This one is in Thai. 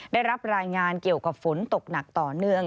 ได้รับรายงานเกี่ยวกับฝนตกหนักต่อเนื่อง